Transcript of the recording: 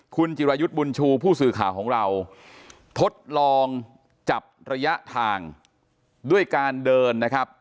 คุณจิรายุทธ์บุญชูผู้สื่อข่าวของเราทดลองจับระยะทางด้วยการเดินนะครับ